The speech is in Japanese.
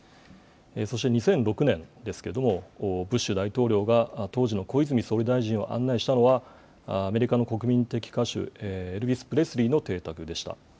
そして２００６年ですけども、ブッシュ大統領が当時の小泉総理大臣を案内したのは、アメリカの国民的歌手、エルビス・プレスリーの邸宅でした。